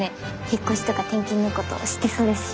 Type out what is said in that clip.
引っ越しとか転勤のこと知ってそうだし。